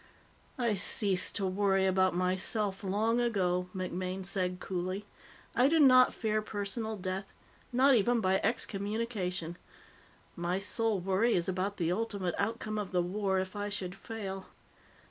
"I ceased to worry about myself long ago," MacMaine said coolly. "I do not fear personal death, not even by Excommunication. My sole worry is about the ultimate outcome of the war if I should fail.